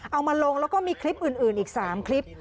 เอามาลงแล้วก็มีคลิปอื่นอีก๓คลิป